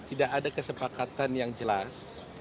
tidak ada kesepakatan yang jelas